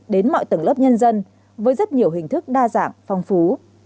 đến mọi tầng lớp nhân dân với rất nhiều hình thức đa dạng phong phú